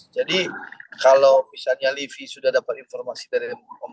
jadi kalau misalnya livi sudah dapat informasi dari empat puluh